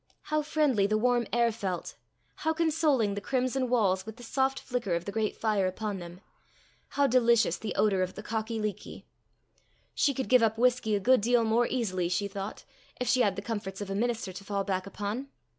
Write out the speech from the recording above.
How friendly the warm air felt! how consoling the crimson walls with the soft flicker of the great fire upon them! how delicious the odour of the cockie leekie! She could give up whisky a good deal more easily, she thought, if she had the comforts of a minister to fall back upon!